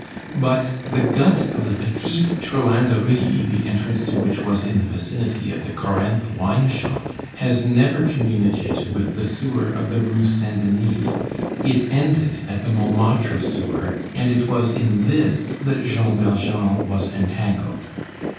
But the gut of the Petite Truanderie the entrance to which was in the vicinity of the Corinthe wine shop has never communicated with the sewer of the Rue Saint Denis; it ended at the Montmartre sewer, and it was in this that Jean Valjean was entangled.